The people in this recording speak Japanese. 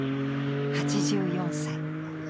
８４歳。